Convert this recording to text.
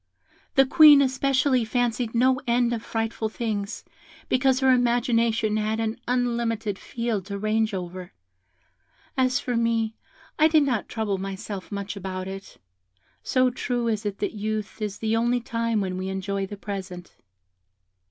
The Queen especially fancied no end of frightful things, because her imagination had an unlimited field to range over. As for me, I did not trouble myself much about it, so true is it that youth is the only time when we enjoy the present.